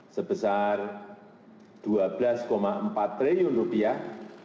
sebesar rp dua belas empat triliun